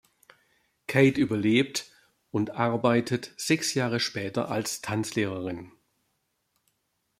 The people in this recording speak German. Kate überlebt und arbeitet sechs Jahre später als Tanzlehrerin.